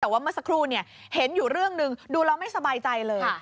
แต่ว่าเมื่อสักครู่เห็นอยู่เรื่องหนึ่งดูแล้วไม่สบายใจเลย